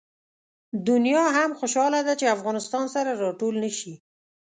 دنیا هم خوشحاله ده چې افغانستان سره راټول نه شي.